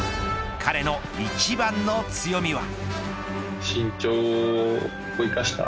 彼の一番の強みは。